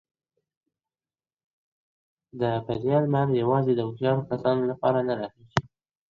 د بریا لمر یوازي د هوښیارو کسانو لپاره نه راخېژي.